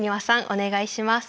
お願いします。